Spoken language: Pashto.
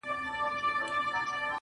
دا چا ويله چي ښايست په قافيو کي بند دی؟